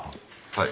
はい。